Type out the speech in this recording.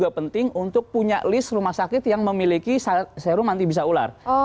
juga penting untuk punya list rumah sakit yang memiliki serum anti bisa ular